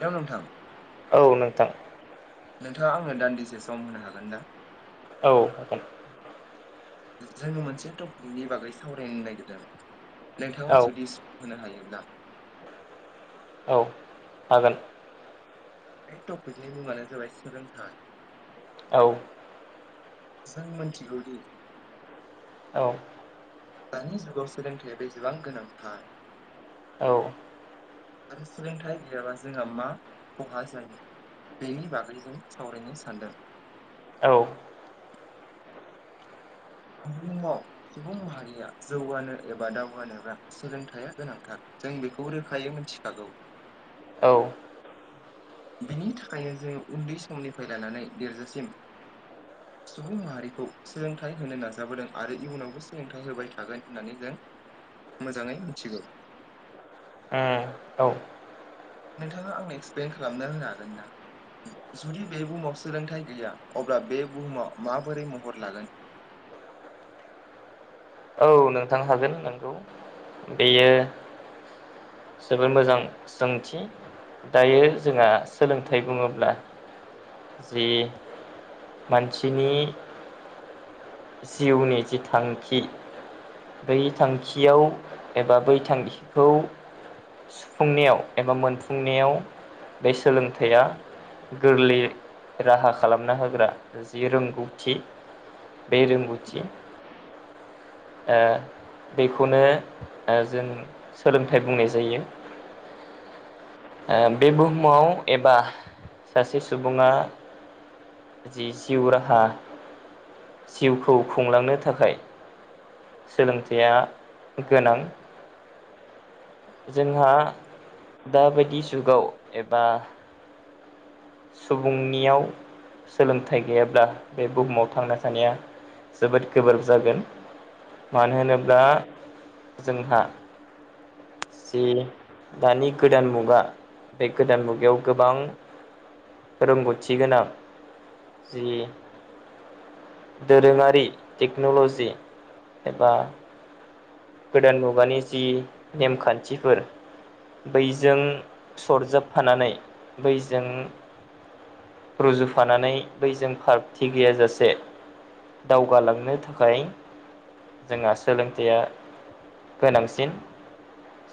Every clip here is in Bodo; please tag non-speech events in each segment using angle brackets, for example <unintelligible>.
हेल' नोंथां औ नोंथां नोंथाङा आंनो दान्दिसे सम होनो हागोन ना? औ हागोन। ओ जोंङो मोनसे टपिकनि बागै सावरायनो नागिरदों नोंथाङा औ जुदि सम होनो हायोब्ला औ हागोन। बे टपिकनि मुङानो जाबाय सोलोंथाइ औ जों मोन्थिगौदि औ दानि जुगाव सोलोंथाइया बेसेबां गोनांथार औ आरो सोलोंथाय गैयाबा जोंहा मा खहा जायो बेनि बागै जों सावरायनो सानदों। औ मानो होनबाव सुबुं माहारिया जौगानो एबा दावगानोबा सोलोंथाया गोनांथार जों बेख गौ रोखायै मोन्थिखागौ। औ बिनि थाखायनो जोङो उन्दै समनिफ्राय लानानै देरजासिम सुबुं माहारिखौ सोलोंथाइ होनो नाजाबोदों आरो इयुनावबो सोलोंथाइ होबाय थागोन होननानै जों मोजाङै मिथिगौ। उम औ नोंथाङा आंनो एक्सप्लइेन खालामना होनो हागोन ना? जुदि बे बुहुमाव सोलोंथाइ गैया अब्ला बे बुहुमाव माबोरै महर लागोन औ नोंथां हागोन नोंगौ बेयो जोबोद मोजां सोंथि दायो जोंहा सोलोंथाइ बुङोब्ला जे मानसिनि जिउनि जि थांखि बै थांखियाव एबा बै थांखिखौ सुफुंनायाव एबा मोनफुंनायाव बे सोलोंथाइया गोरलैयै राहा खालामना होग्रा जि रोंगौथि बे रोंगौथि ओ बेखौनो ओ जों सोलोंथाइ बुंनाय जायो। ओ बे बुहुमाव एबा सासे सुबुङा जि जिउ राहा जिउखौ खुंलांनो थाखाय सोलोंथाइया ओ गोनां जोंहा दाबायदि जुगाव एबा सुबुंनियाव सोलोंथाइ गैयाब्ला बे बुहुमाव थांना थानाया जोबोद गोब्राब जागोन। मानो होनोब्ला जोंहा जि दानि गोदान मुगा, बे गोदान मुगायाव गोबां रोंग'थि गोनां, जि दोरोङारि टेक्न'लजि एबा गोदान मुगानि जि नेमखान्थिफोर बैजों सरजाबफानानै बैजों रुजुफानानै बैजों फारगथि गैयाजासे दावगालांनो थाखाय जोंहा सोलोंथाया गोनांसिन।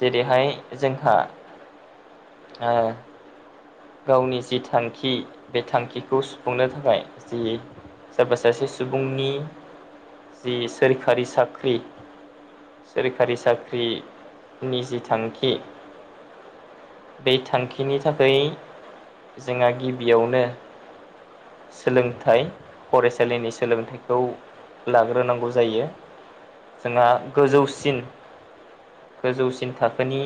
जेरैहाय जोंहा गावनि जि थांखि बे थांखिखौ सुफुंनो थाखाय जि सोरबा सासे सुबुंनि जि सोरखारि साख्रि सोरखारि साख्रिनि जि थांखि बे थांखिनि थाखाय जोंहा गिबियावनो सोलोंथाइ फरायसालिनि सोलोंथाइखौ लाग्रोनांगौ जायो। जोंहा गोजौसिन गोजौसिन थाखोनि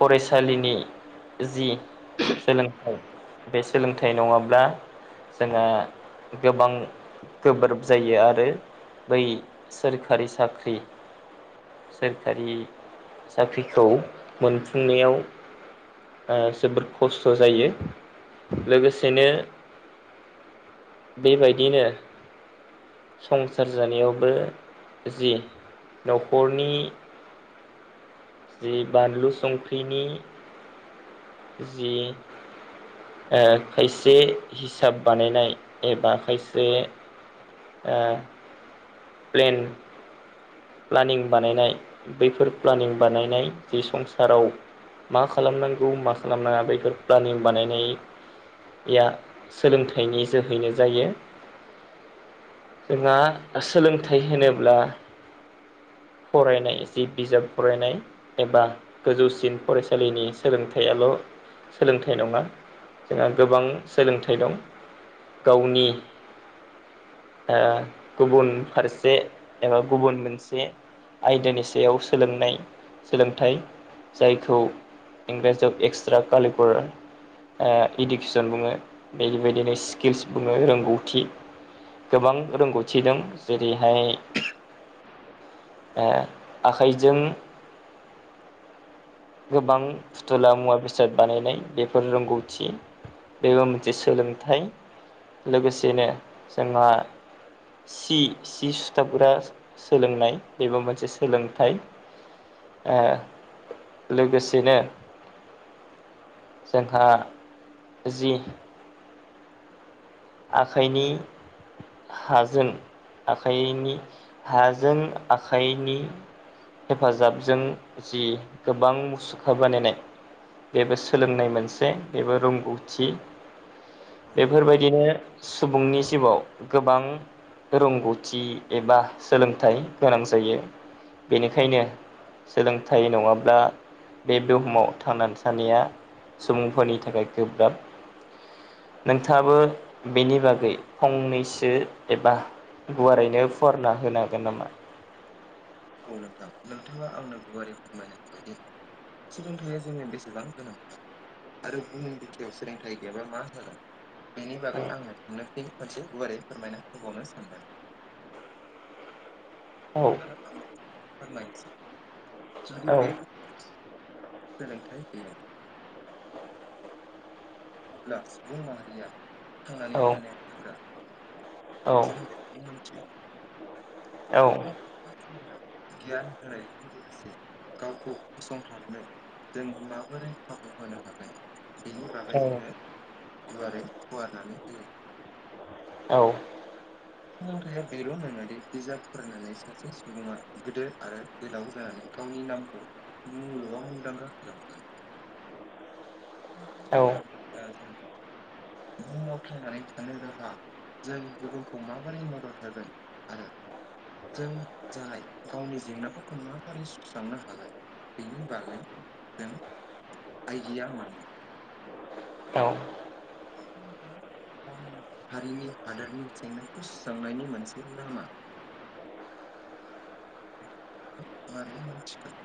फरायसालिनि जि सोलोंथाइ बे सोलोंथाइ नङाब्ला जोंहा गोबां गोब्राब जायो आरो बै सोरखारि साख्रि सोरखारि साख्रिखौ मोनफुंनायाव जोबोद खस्थ' जायो। लोगोसेनो बेबायदिनो संसार जानायावबो जि न'खरनि जि बानलु संख्रिनि जि ओ खायसे हिसाब बानायनाय एबा खायसे ओ प्लेन प्लानिं बानायनाय बैफोर प्लानिं बानायनाय जि संसाराव मा खालामनांगौ मा खालामनाङा बफोर प्लानिं बानायनाय या सोलोंथाइनि जोहैनो जायो। जोंहा सोलोंथाइ होनोब्ला फरायनाय जि बिजाब फरायनाय एबा गोजौसिन फरायसालिनि सोलोंथाइयाल' सोलोंथाइ नङा। जोंहा गोबां सोलोंथाइ दं। गावनि गुबुन फारसे एबा गुबुन मोनस से आयदानि सायाव सोलोंनाय सोलोंथाइ जायखौ इंराजियाव एक्सट्रा कलिकुलार इडुकेसन बुङो बेबायदिनो स्किल्स बुङो रोंगौथि। गोबां रोंगौथि दों जेरैहाय ओ आखाइजों गोबां फुथुला मुवा बेसाद बानायनाय बेफोर रोंगौथि बेबो मोनसे सोलोंथाइ। लोगोसेनो जोंहा सि सि सुथाबग्रा सोलोंनाय बेबो मोनसे सोलोंथाइ। ओ लोगोसेनो जोंहा जि आखाइनि हाजों आखाइनि हाजों आखाइनि हेफाजाबजों जि गोबां मुसुखा बानायनाय बेबो सोलोंनाय मोनसे बेबो रोंगौथि बेफोरबायदिनो सुबुंनि जिउआव गोबां रोंगौथि एबा सोलोंथाइ गोनां जायो बेनिखायनो सोलोंथाइ नङाब्ला बे बुहुमाव थांनानै थानाया सुबुंफोरनि थाखाय गोब्राब नोंथाङाबो बेनि बागै फंनैसो एबा गुवारैनो फुवारना होनो हागोन नामा? औ नोंथां नोंथाङा आंनो गुवारै फोरमायनो हाबाय दे। सोलोंथाइया जोंनि बेसेबां गोनांथार। आरो बुहुम बिथियाव सोलोंथाइ गैयाबा मा जागोन? बेनि बागै आंनो <unintelligible> मोनसे गुवारै फोरमायना होबावनो सानदों। औ। दा आं फोरमायनोसै जुदि औ बे खौ सोलोंथाइ गैया अब्ला सुबुं माहारिया थांनानै औ थानाया गोब्रा औ जोंनो मोनथियो औ <unintelligible> गियान होनायजों लोगोसे गावखौ फसंथांनो। जों माबोरै खाबु होनो हागोन। बेनि बागै जोंनो गुवारै फुवारनानै होयो। औ। सोलोंथाइया बेल' नङादे बिजाब फरायनानै सासे सुबुङा गोदो आरो गोलाव जानानै गावनि नामखौ मुलुगाव मुंदांखा खालामगोन। औ दा होनब्ला जों बुहुमाव थांनानै थानो राहा जों गुबुनखौ माबोरै मदद होगोन आरो जों जानाय गावनि जेंनाफोरखौ माबोरै सुस्रांनो हागोन। बेनि बागै जों आइडिया मोनो। औ। सोलोंथाइया गावनि हारिनि हादोरनि जेंनाखौ सुस्रांनायनि मोनसे लामा। बे <unintelligible> मारै मोन्थिगोन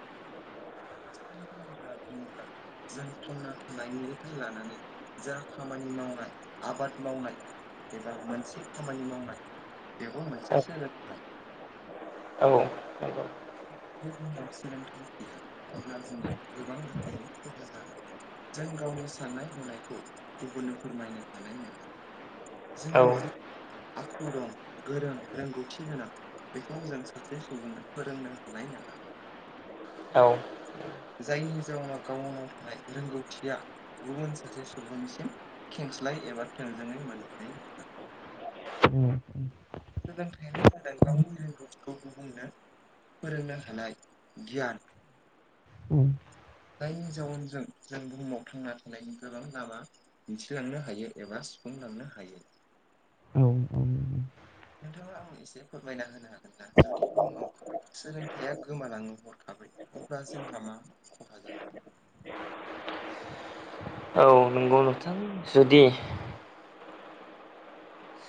सोलोंथाइ होनना बुङोब्ला जों थांना थानायनिफाय लानानै जा खामानि मावनाय आबाद मावनाय एबा मोनसे खामानि मावनाय बेबो मोनसे सोलोंथाइ। औ नंगौ। जाय बुहुमाव सोलोंथाइ गैया अब्ला जोंहा गोबां रोखोमनि खहा जागोन। जों गावनि साननाय हनायखौ गुबुननो फोरमायनो हानाय नङा। जोंनाव जि आखु दं गोरों रोंगौथि गोनां बेखौ जों सासे सुबुंनो फोरोंनो हानाय नङा। औ। जायनि जाउनाव गावनाव थानाय रोंगौथिया गुबुन सासे सुबुंनिसिम खेंस्लाय एबा थोंजोङै मोननाय नङा। उम। सोलोंथाइयानो जादों गावनि रोंगौथिखौ गुबुंनो फोरोंनो हानाय गियान। जायनि जाउनजों जों बुहुमाव थांना थानायनि गोबां लामा दिन्थिलांनो हायो एबा सुफुंलांनो हायो। औ औ। नोंथाङा आं एसे फोरमायना होनो हागोन ना जुदि बुहुमाव सोलोंथाइया गोमालाङो हरखाबै अब्ला जोंहा मा खहा जागोन। औ नंगौ नोंथां जुदि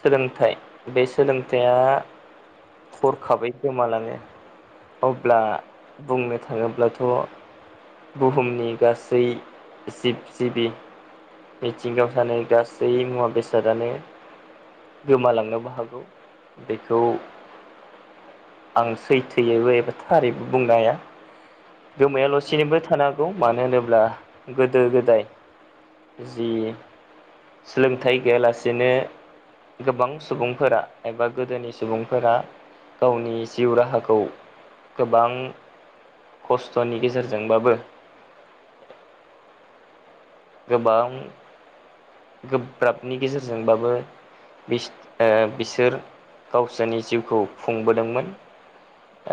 सोलोंथाइ बे सोलोंथाइया हरखाबै गोमालाङो‌ अब्ला बुंनो थाङोब्लाथ' बुहुमनि गासै जिब जिबि मिथिंगायाव सानै गासै मुवा बेसादानो गोमालांनोबो हागौ बेखौ आं सैथोयैबो एबा थारैबो बुंनो हाया। गोमायाल'सेनिबो थानो हागौ। मानो होनोब्ला गोदो गोदाय जि सोलोंथाइ गैयालासेनो गोबां सुबुंफोरा एबा गोदोनि सुबुंफोरा गावनि जिउ राहाखौ गोबां खस्थ'नि गेजेरजोंबाबो गोबां गोब्राबनि गेजेरजोंबाबो बिस ओ बिसोर गावसोरनि जिउखौ खुंबोदोंमोन।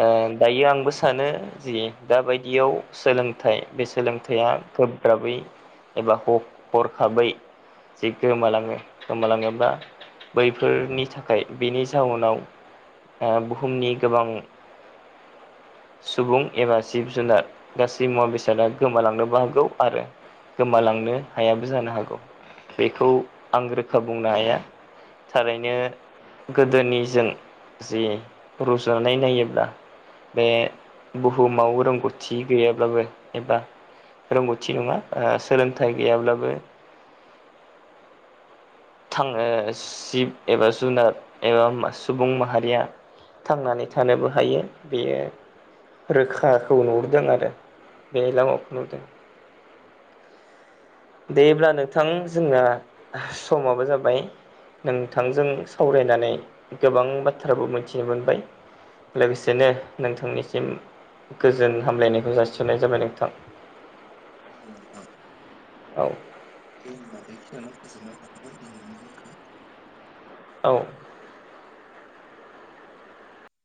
ओ दायो आंबो सानो जि दााबायदियाव सोलोंथाइ बे सोलोंथाइया गोब्राबै एबा ह-हरखाबै जि गोमालाङो गोमालाङोब्ला बैफोरनि थाखाय बेनि जाउनाव ओ बुहुमनि गोबां सुबुं एबा जिब जुनार गासै मुवा बेसादा गोमालांनोबो हागौ आरो गोमालांनो हायाबो जानो हागौ बेखौ आं रोखा बुंनो हाया। थारैनो गोदोनिजों जि रुजुनाय नायोब्ला बे बुहुमाव रोंगौथि गैयाब्लाबो एबा रोंगौथि नङा ओ सोलोंथाइ गैयाब्लाबो थाङो शिब एबा जुनार एबा सुबुं माहारिया थांनानै थानोबो हायो। बेयो रोखाखौ नुहुरदों आरो बे लामाखौ नुु‌दों। देब्ला नोंथां जोंना समाबो जाबाय नोंथांजों सावरायनानै गोबां बाथ्राबो मोन्थिनो मोनबाय लोगोसेनो नोंथांनिसिम गोजोन हामलायनायखौ जासिहरनाय जाबाय नोंथां। औ नोंथां। औ। दे होनबा बेखियावनो फोजोबनाय हाखाबाय दिनै जोंखौ। औ।